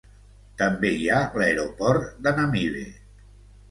També hi ha l'aeroport de Namibe.